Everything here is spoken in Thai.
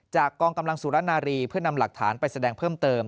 กองกำลังสุรนารีเพื่อนำหลักฐานไปแสดงเพิ่มเติม